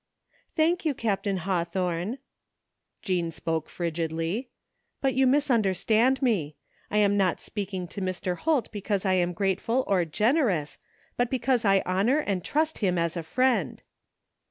"Thank you. Captain Hawthomei," Jean spoke frigidly, " but you misunderstand me. I am not speak ing to Mr. Holt because I am grateftd or generous, but because I honor and trust him as a friend."